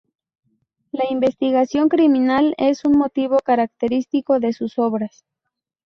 La investigación criminal es un motivo característico de sus obras.